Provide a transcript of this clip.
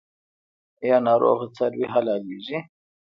آیا ناروغه څاروي حلاليږي؟